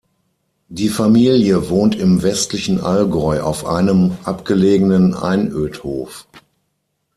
Die Familie wohnt im westlichen Allgäu auf einem abgelegenen Einödhof.